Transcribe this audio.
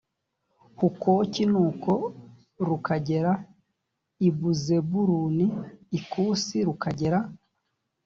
hukoki nuko rukagera i buzebuluni ikusi rukagera